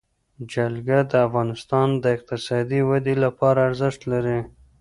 جلګه د افغانستان د اقتصادي ودې لپاره ارزښت لري.